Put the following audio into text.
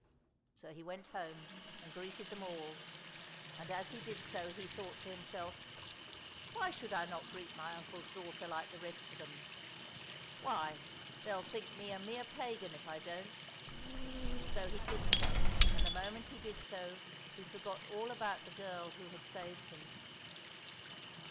So he went home and greeted them all, and as he did so he thought to himself, " Why should I not greet my uncle's daughter like the rest of them ? Why, they'll think me a mere pagan if I don't !" So he kissed her, and the moment he did so he forgot all about the girl who had saved him.